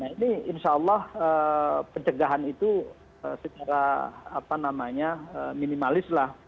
ini insya allah pencegahan itu secara minimalis lah